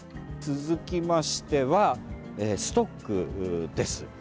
続きましては、ストックです。